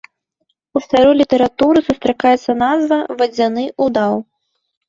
У старой літаратуры сустракаецца назва вадзяны удаў.